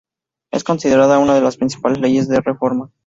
Es considerada una de las principales Leyes de Reforma.